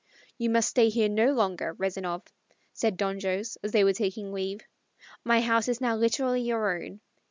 "You must stay here no longer, Rezanov," said Don Jose, as they were taking leave. "My house is now literally your own.